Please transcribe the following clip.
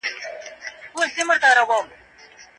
خلک د اصلي مانا پر ځای بله مانا اخلي.